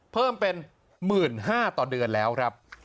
เพิ่มเป็น๑๕๐๐ต่อเดือนแล้วครับ